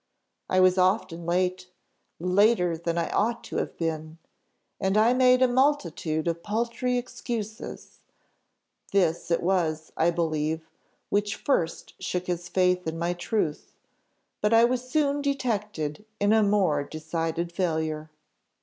I was often late later than I ought to have been, and I made a multitude of paltry excuses; this it was, I believe, which first shook his faith in my truth; but I was soon detected in a more decided failure.